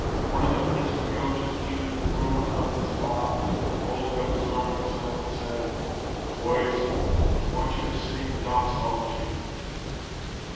One of the Princeton coaches came into the room out of this mob, and holding up his arm for silence said, "'Boys, I want you to sing the doxology.'"